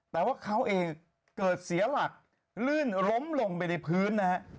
แต่ว่าเขาเองเกิดเสียหลักลื่นล้มลงไปในพื้นนะฮะ